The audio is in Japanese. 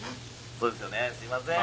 そうですよねすいません。